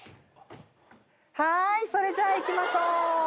はーいそれじゃあいきましょう。